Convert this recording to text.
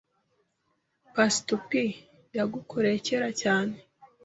Pastor P yagukoreye kera cyane